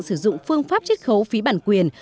sử dụng phương pháp chất khấu phí bản quyền